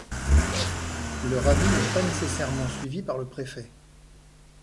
Leur avis n’est pas nécessairement suivi par le préfet.